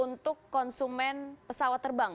untuk konsumen pesawat terbang